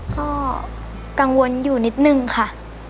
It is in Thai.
ก็กังวลอยู่นิดนึงค่ะ